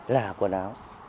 là quần áo